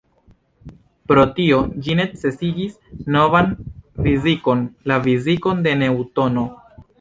Pro tio, ĝi necesigis novan fizikon, la fizikon de Neŭtono.